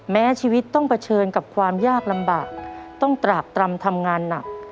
แม้ชีวิตต้องเผชิญกับความยากลำบากต้องตราบตรำทำงานหนัก